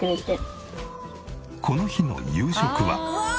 この日の夕食は。